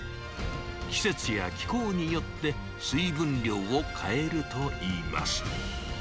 季節や気候によって、水分量を変えるといいます。